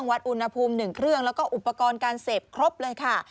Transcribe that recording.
วัดอุณหภูมิ๑เครื่องแล้วก็อุปกรณ์การเสพครบเลยค่ะ